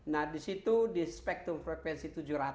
nah disitu di spektrum frekuensi tujuh ratus